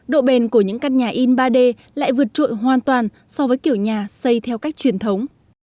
độ bền của những căn nhà in ba d lại vượt trội hoàn toàn so với kiểu nhà xây theo cách truyền thống